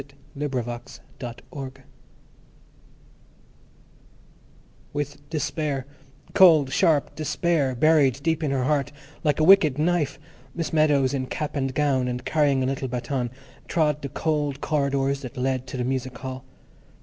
The Singing Lesson With despair—cold, sharp despair—buried deep in her heart like a wicked knife, Miss Meadows, in cap and gown and carrying a little baton, trod the cold corridors that led to the music hall.